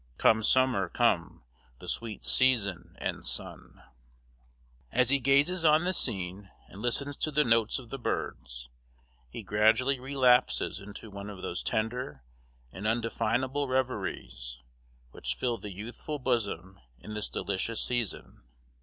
Come, summer, come, the sweet season and sun. As he gazes on the scene, and listens to the notes of the birds, he gradually relapses into one of those tender and undefinable reveries, which fill the youthful bosom in this delicious season.